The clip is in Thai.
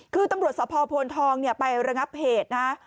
คือตำรวจสภพลทองไประงับเหตุนะฮะ